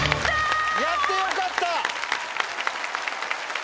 やってよかった！